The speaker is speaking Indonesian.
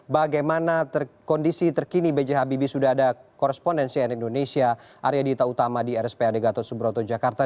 bagaimana kondisi terkini bghb sudah ada korespondensi di indonesia area dita utama di rspad gatot subroto jakarta